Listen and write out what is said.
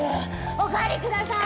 おかわりください